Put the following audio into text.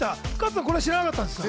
全然知らなかった。